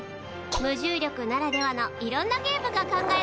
無重力ならではのいろんなゲームが考えられます。